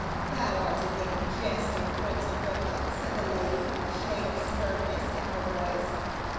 "Thou art again jesting, prince Agrippa," said the lady, a shade of sternness in her voice.